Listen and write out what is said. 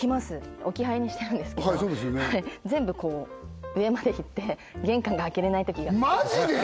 置き配にしてるんですけど全部こう上までいって玄関が開けれないときがあるマジで！？